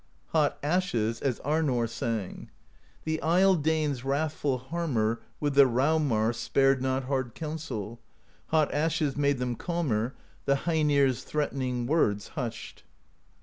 Hot Ashes, as Arnorr sang The Isle Danes' wrathful Harmer With the Raumar spared not hard counsel Hot Ashes made them calmer; The Heinir's threatening words hushed.